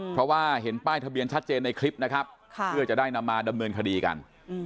เพราะว่าเห็นป้ายทะเบียนชัดเจนในคลิปนะครับเพื่อจะได้นำมาดำเนินคดีกัน